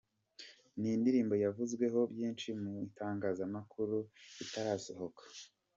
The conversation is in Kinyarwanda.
Ni indirimbo yavuzweho byinshi mu itangazamakuru itarasohoka.